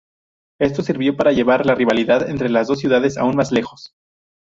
Esto sirvió para llevar la rivalidad entre las dos ciudades aún más lejos.